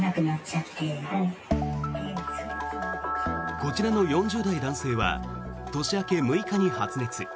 こちらの４０代男性は年明け６日に発熱。